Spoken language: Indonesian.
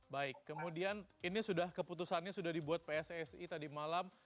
baik kemudian ini sudah keputusannya sudah dibuat pssi tadi malam